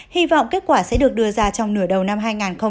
hy vọng kết quả sẽ được đưa ra trong nửa đầu năm hai nghìn hai mươi